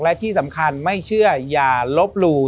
และที่สำคัญไม่เชื่ออย่าลบหลู่